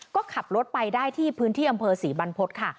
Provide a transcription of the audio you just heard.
ก็ขับรถไปได้ที่พื้นที่อำเภอศรีบรรพฤษค่ะ